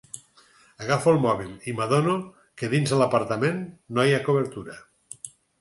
Agafo el mòbil i m'adono que dins l'apartament no hi ha cobertura.